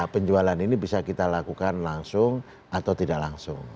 penjualan ini bisa kita lakukan langsung atau tidak langsung